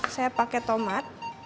saya pakai tomat